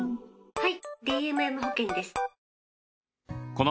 はい。